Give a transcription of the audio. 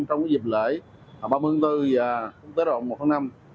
trong dịp lễ ba mươi bốn và tới đầu năm